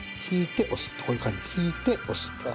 こういう感じで引いて押す。